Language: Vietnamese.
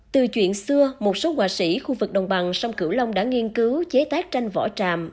từ chuyện xưa một số hòa sĩ khu vực đồng bằng sông cửu long đã nghiên cứu chế tác tranh vỏ tràm